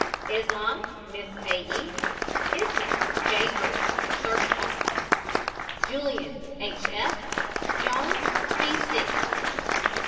ISLAM, MISS A. E. ISMAY, J. BRUCE, servant of. JULIAN, H. F. JONES, C. C.